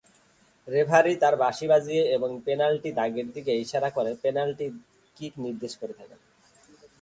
Referee তার বাঁশি বাজিয়ে এবং পেনাল্টি দাগের দিকে ইশারা করে পেনাল্টি কিক নির্দেশ করে থাকেন।